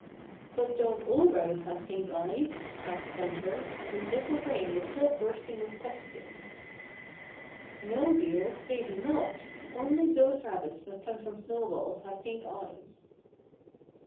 "But don't all rabbits have pink eyes?" asked Bumper, whose little brain was still bursting with questions. "No, dear, they do not only those rabbits that come from snowballs have pink eyes."